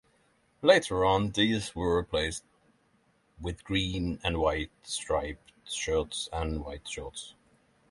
Later on these were replaced with Green and white striped shirts and white shorts.